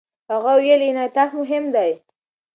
هغه وویل، انعطاف مهم دی.